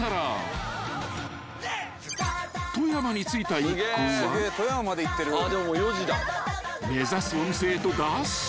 ［富山に着いた一行は目指すお店へとダッシュ］